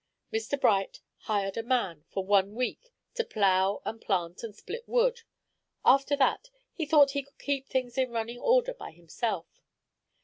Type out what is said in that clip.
Mr. Bright hired a man for one week to plow and plant and split wood. After that, he thought he could keep things in running order by himself.